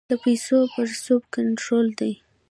د پیسو پړسوب کنټرول دی؟